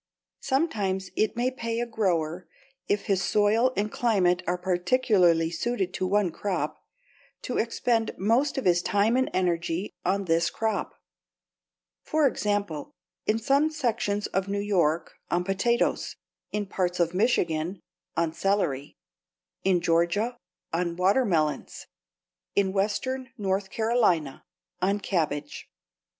Sometimes it may pay a grower, if his soil and climate are particularly suited to one crop, to expend most of his time and energy on this crop; for example, in some sections of New York, on potatoes; in parts of Michigan, on celery; in Georgia, on watermelons; in western North Carolina, on cabbage.